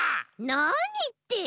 「なに」って。